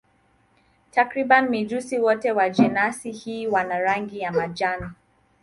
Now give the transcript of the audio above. Takriban mijusi wote wa jenasi hii wana rangi ya majani.